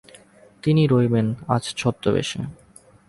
তিনি রইবেন আজ ছদ্মবেশে।